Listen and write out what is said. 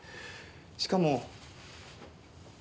しかも。